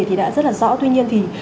thì đã rất là rõ tuy nhiên thì